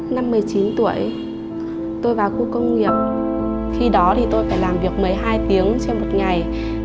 năm một mươi chín tuổi tôi vào khu công nghiệp khi đó thì tôi phải làm việc mấy hai tiếng trên một ngày